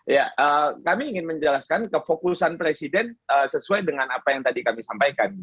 ya kami ingin menjelaskan kefokusan presiden sesuai dengan apa yang tadi kami sampaikan